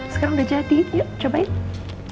sekarang udah jadi yuk cobain